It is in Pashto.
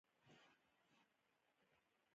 اکبرجان هم د پېوې مېلې په څنګ کې ګرځېده.